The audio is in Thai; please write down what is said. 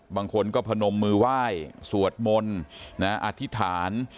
บางคนก็พนมมือไหว้สวดมนต์อธิษฐาน